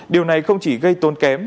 điều này không chỉ gây tôn kém